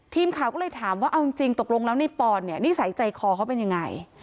ทีมข่าวก็เลยถามว่าเอาจริงตกลงแล้วในปอนเนี่ยนิสัยใจคอเขาเป็นยังไง